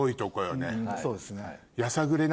そうですね。